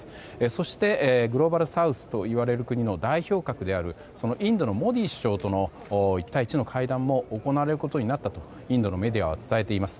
そして、グローバルサウスといわれる国の代表格であるインドのモディ首相との一対一の会談も行われることになったとインドメディアは伝えています。